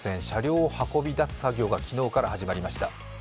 車両を運び出す作業が昨日から始まりました。